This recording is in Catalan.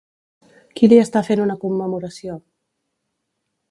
Qui li està fent una commemoració?